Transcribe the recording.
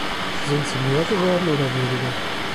Sind sie mehr geworden oder weniger?